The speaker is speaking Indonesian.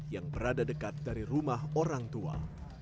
yang berada dekat dari rumah orang tua